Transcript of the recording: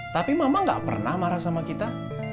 tapi mama gak pernah marah sama kita